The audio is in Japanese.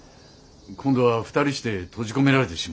今度は二人して閉じ込められてしまうなんて。